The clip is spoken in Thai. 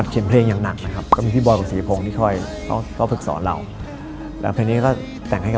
เข้มข้นมากเลย